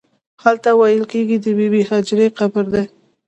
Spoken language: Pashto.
هلته ویل کېږي د بې بي هاجرې قبر دی.